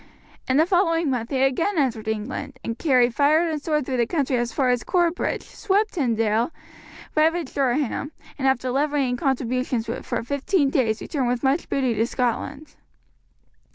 In the following month he again entered England, carried fire and sword through the country as far as Corbridge, swept Tynedale, ravaged Durham, and after levying contributions for fifteen days returned with much booty to Scotland.